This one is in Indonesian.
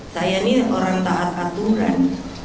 saya ini orang taat aturan